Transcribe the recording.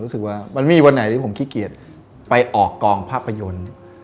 คือมีวันไหนผมขี้เกียจไปออกกรองโภคภาพยนตร์